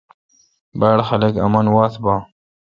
باڑ خلق آمن واتھ باں ۔